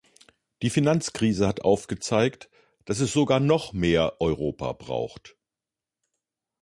Die Finanzkrise hat aufgezeigt, dass es sogar noch mehr Europa braucht.